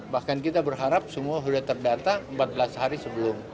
bahkan kita berharap semua sudah terdata empat belas hari sebelum